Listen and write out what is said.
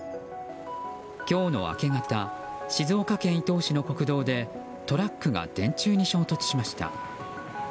今日の明け方静岡県伊東市の国道でトラックが電柱に衝突しました。